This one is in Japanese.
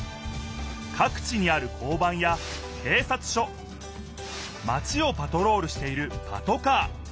かく地にある交番や警察署マチをパトロールしているパトカー。